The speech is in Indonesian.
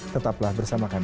tetaplah bersama kami